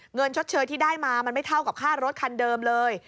ชดเชยที่ได้มามันไม่เท่ากับค่ารถคันเดิมเลย